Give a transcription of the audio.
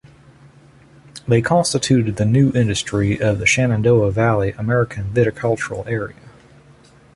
They constituted the new industry of the Shenandoah Valley American Viticultural Area.